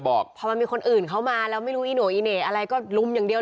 บอกพอมันมีคนอื่นเข้ามาแล้วไม่รู้อีโน่อีเหน่อะไรก็ลุมอย่างเดียว